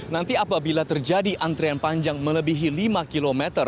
nanti apabila terjadi antrian panjang melebihi lima km